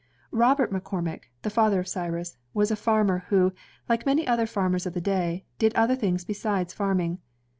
Robert McCormick, the father of Cyrus, was a farmer, who, like many other farmers of the day, did other things besides farming.